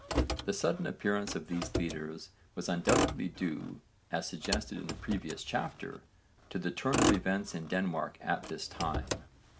The sudden appearance of these leaders was undoubtedly due, as suggested in the previous chapter, to the turn of events in Denmark at this time.